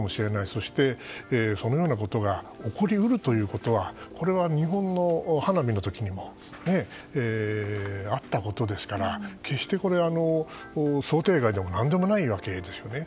そして、そのようなことが起こり得るということはこれは日本の花火の時にもあったことですから決して想定外でも何でもないわけですよね。